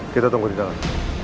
kita tunggu di dalam